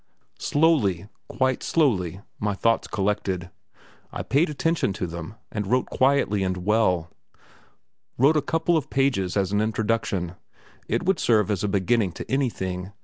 Slowly, quite slowly, my thoughts collected. I paid attention to them, and wrote quietly and well; wrote a couple of pages as an introduction. It would serve as a beginning to anything.